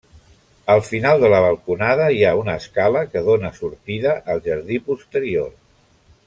Al final de la balconada hi ha una escala que dóna sortida al jardí posterior.